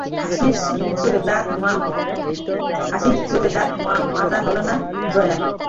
হাসির চোটে দাত মাজা হল না জয়ার।